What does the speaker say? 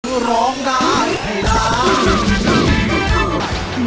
คือร้องตาให้ตาม